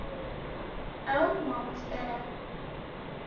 Ew mamoste ne.